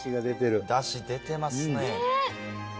出汁出てますね。